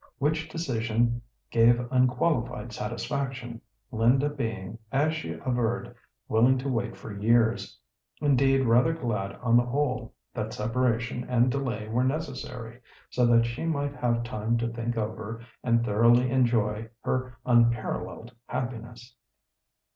Which decision gave unqualified satisfaction, Linda being, as she averred, willing to wait for years; indeed rather glad on the whole, that separation and delay were necessary, so that she might have time to think over and thoroughly enjoy her unparalleled happiness.